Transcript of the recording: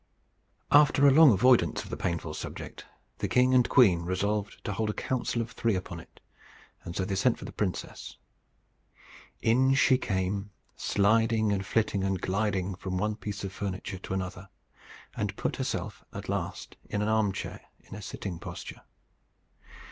After a long avoidance of the painful subject, the king and queen resolved to hold a council of three upon it; and so they sent for the princess. In she came, sliding and flitting and gliding from one piece of furniture to another, and put herself at last in an armchair, in a sitting posture.